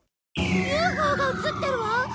ＵＦＯが写ってるわ！